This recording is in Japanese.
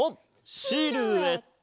シルエット！